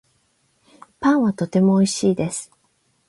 パンはとてもおいしいです